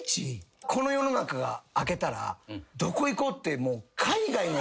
この世の中があけたらどこ行こうってもう。